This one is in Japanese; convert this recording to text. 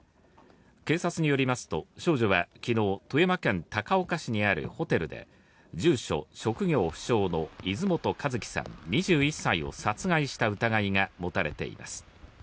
警察によりますと、少女は昨日、富山県高岡市にあるホテルで住所・職業不詳の泉本和希さん、２１歳を殺害した疑いが持たれています。